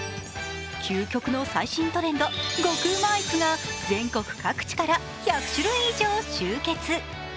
究極の最新トレンド、極うまアイスが全国各地から１００種類以上、集結。